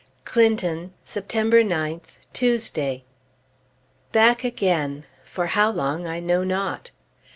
CLINTON, September 9th, Tuesday. Back again! For how long, I know not.